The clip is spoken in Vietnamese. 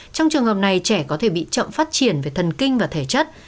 trong trường hợp này trẻ có thể bị chậm phát triển về thần kinh và thể chất